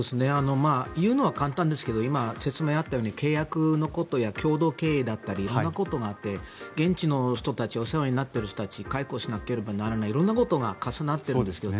言うのは簡単ですけど今、説明があったように契約のことや共同経営だったり色んなことがあって現地の人たちお世話になっている人たち解雇しなければならない色々なことが重なっているんですよね。